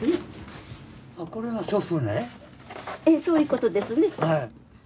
ええそういうことですね。